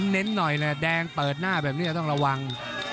เน้นหน่อยแหละแดงเปิดหน้าแบบนี้ต้องระวัง